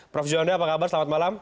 prof juwanda apa kabar selamat malam